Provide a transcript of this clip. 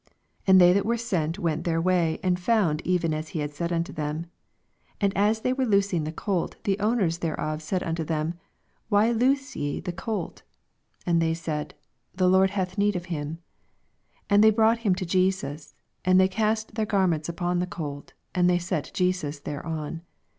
82 And they that were sent went their way, and found even as he had said unto them. 83 And as they were loosing the oolt, the owners thereof said unto them, Why loose ye the colt ? 84 And they said, The Lord hath need of him. 85 And they brought him to Jesus : and they cast their garments upon the colt, and they set Jesus thereon.